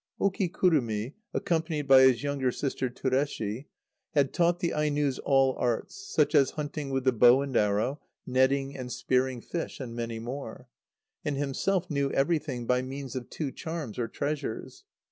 ] Okikurumi, accompanied by his younger sister Tureshi[hi], had taught the Ainos all arts, such as hunting with the bow and arrow, netting and spearing fish, and many more; and himself knew everything by means of two charms or treasures.